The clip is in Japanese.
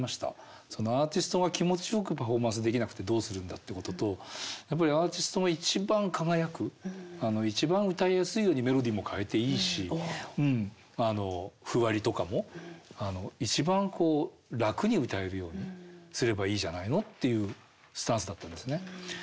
アーティストが気持ちよくパフォーマンスできなくてどうするんだってこととやっぱりアーティストが一番輝く一番歌いやすいようにメロディーも変えていいし譜割とかも一番楽に歌えるようにすればいいじゃないのっていうスタンスだったんですね。